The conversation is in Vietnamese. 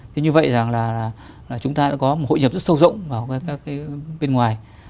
thế như vậy rằng là chúng ta đã có một hội nhập rất sâu rộng vào các cái bên ngoài